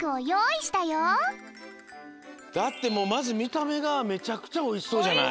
だってもうまずみためがめちゃくちゃおいしそうじゃない？